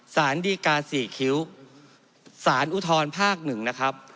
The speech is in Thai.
สารดีการสี่คิ้วสารอุทรภาคหนึ่งนะครับ